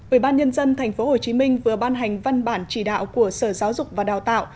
ủy ban nhân dân tp hcm vừa ban hành văn bản chỉ đạo của sở giáo dục và đào tạo